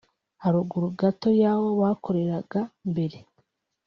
haruguru gato y’aho bakoreraga mbere